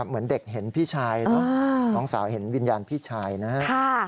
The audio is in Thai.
เหมือนเด็กเห็นพี่ชายเนอะน้องสาวเห็นวิญญาณพี่ชายนะครับ